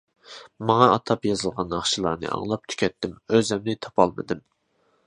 ماڭا ئاتاپ يېزىلغان ناخشىلارنى ئاڭلاپ تۈگەتتىم، ئۆزۈمنى تاپالمىدىم.